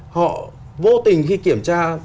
họ vô tình khi kiểm tra